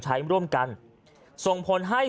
ใช้ร่วมกันส่งผลให้